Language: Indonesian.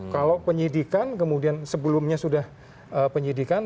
kalau penyidikan kemudian sebelumnya sudah penyidikan